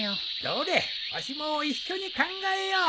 どれわしも一緒に考えよう。